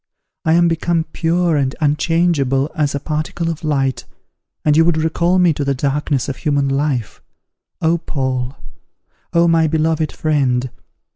I am become pure and unchangeable as a particle of light, and you would recall me to the darkness of human life! O, Paul! O, my beloved friend!